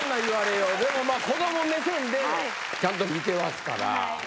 でも子供目線でちゃんと見てますから。